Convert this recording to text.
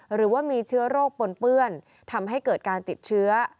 หรือว่ามีเชื้อโรคปนเปื้อนทำให้เกิดการติดเชื้อ